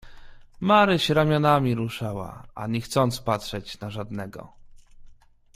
"Maryś ramionami ruszała, ani chcąc patrzeć na żadnego."